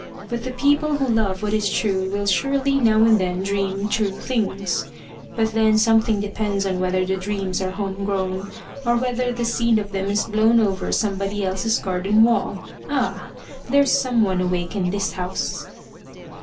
But the people who love what is true will surely now and then dream true things. But then something depends on whether the dreams are home grown, or whether the seed of them is blown over somebody else's garden wall. Ah! there's some one awake in this house!"